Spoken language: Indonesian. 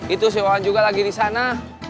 itu si wawan juga lagi di sana